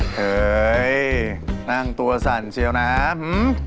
เคยนั่งตัวสั่นเชียวน้ำ